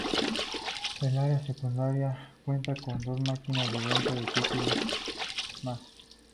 El área secundaria cuenta con dos máquinas de venta de títulos más.